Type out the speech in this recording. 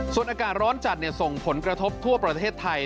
ส่วนอากาศร้อนจัดส่งผลกระทบทั่วประเทศไทย